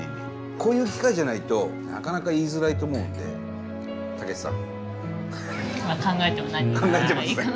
こういう機会じゃないとなかなか言いづらいと思うんで毅さん。考えてもない。